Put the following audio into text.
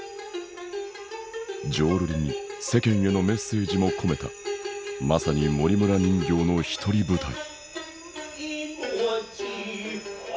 浄瑠璃に世間へのメッセージも込めたまさに森村人形の独り舞台。